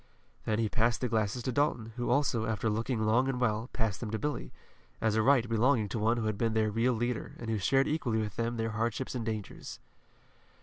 Then he passed the glasses to Dalton, who also, after looking long and well, passed them to Billy, as a right belonging to one who had been their real leader, and who shared equally with them their hardships and dangers.